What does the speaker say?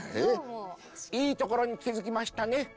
「いいところに気づきましたね」。